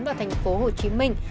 vào thành phố hồ chí minh